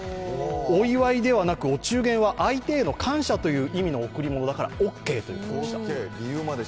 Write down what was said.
お祝いではなくお中元は相手への感謝という意味だからオーケーということでした。